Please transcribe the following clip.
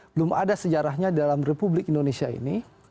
belum ada sejarahnya dalam republik indonesia ini